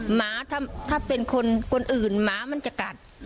หมาถ้าเป็นคนอื่นหมามันจะกัด